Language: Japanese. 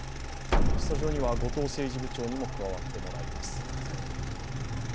スタジオには後藤政治部長にも加わっていただきます。